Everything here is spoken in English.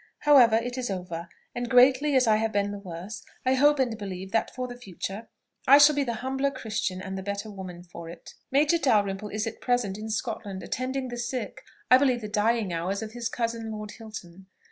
However, it is over; and greatly as I have been the worse, I hope and believe that for the future I shall be the humbler Christian and the better woman for it. "Major Dalrymple is at present in Scotland, attending the sick I believe the dying hours of his cousin Lord Hilton.